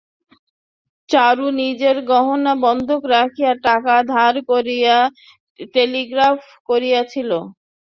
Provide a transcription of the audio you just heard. চারু নিজের গহনা বন্ধক রাখিয়া টাকা ধার করিয়া টেলিগ্রাফ পাঠাইয়াছিল।